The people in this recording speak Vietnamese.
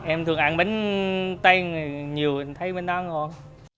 em thường ăn bánh tay nhiều người thấy bánh tay ngon